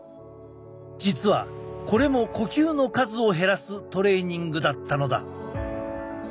実はこれも呼吸の数を減らすトレーニングだったのだ。